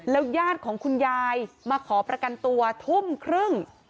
ยาดของคุณยายมาขอประกันตัวทุ่มครึ่ง